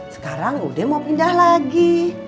sekarang udah mau pindah lagi